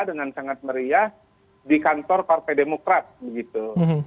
dengan sangat meriah di kantor partai demokrat begitu